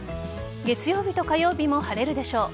月曜日と火曜日も晴れるでしょう。